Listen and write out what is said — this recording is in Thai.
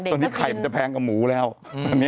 ตอนนี้ไข่มันจะแพงกว่าหมูแล้ว